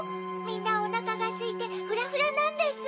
みんなおなかがすいてフラフラなんです。